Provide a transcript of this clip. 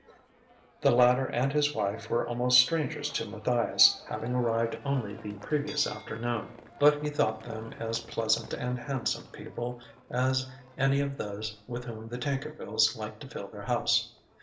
The latter and his wife were almost strangers to Matthias, having arrived only the previous afternoon: but he thought them as pleasant and handsome people as any of those with whom the Tankervilles liked to fill their house.